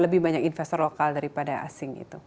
lebih banyak investor lokal daripada asing itu